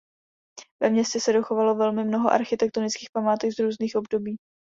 Ve městě se dochovalo velmi mnoho architektonických památek z různých období.